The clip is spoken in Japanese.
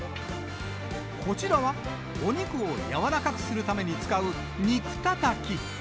こちらは、お肉を柔らかくするために使う肉たたき。